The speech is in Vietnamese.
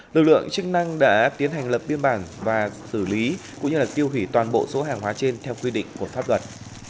lực lượng chức năng đã tiến hành lập biên bản và xử lý cũng như tiêu hủy toàn bộ số hàng hóa trên theo quy định của pháp luật